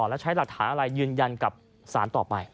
แล้วใช้หลักฐานอะไรยืนยันกับสารต่อไป